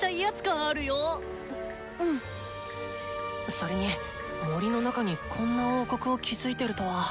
それに森の中にこんな王国を築いてるとは。